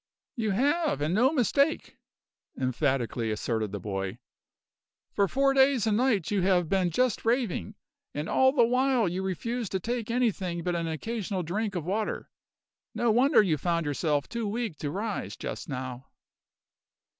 "You have, and no mistake!" emphatically asserted the boy. "For four days and nights you have been just raving; and all the while you refused to take anything but an occasional drink of water. No wonder you found yourself too weak to rise just now."